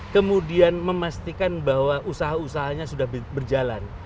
kemudian memastikan bahwa usaha usahanya sudah berjalan